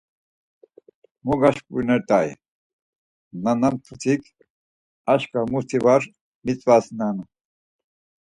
Mo gaşǩurinert̆ay, nana mtutik aşǩva muti var mitzvanen.